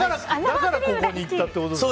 だからここにいったってことですね。